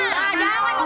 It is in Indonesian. nah jangan lu